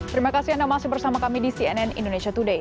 terima kasih anda masih bersama kami di cnn indonesia today